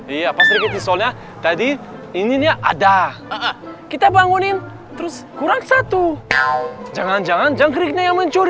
iya pak serikiti soalnya tadi ini nya ada kita bangunin terus kurang satu jangan jangan jangkriknya yang mencuri